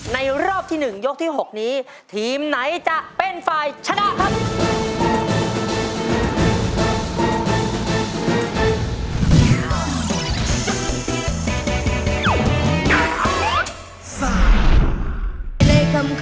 รอบที่๑ยกที่๖นี้ทีมไหนจะเป็นฝ่ายชนะครับ